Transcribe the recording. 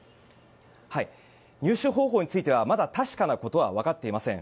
入手方法についてはまだ確かなことは分かっていません。